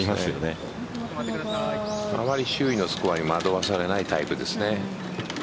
周囲のスコアに惑わされないタイプですね。